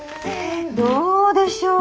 どうでしょう。